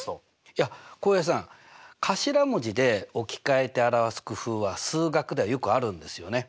いや浩平さん頭文字で置き換えて表す工夫は数学ではよくあるんですよね。